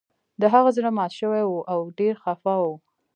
د هغه زړه مات شوی و او ډیر خفه و